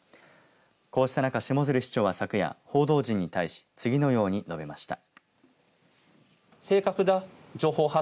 こうした中、下鶴市長は昨夜報道陣に対し次のように述べました。